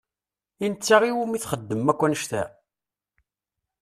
I netta i wumi txedmem akk annect-a?